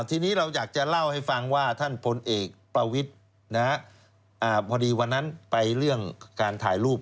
ทีนี้เราอยากจะเล่าให้ฟังว่าท่านพลเอกประวิทธิ์พอดีวันนั้นไปเรื่องการถ่ายรูป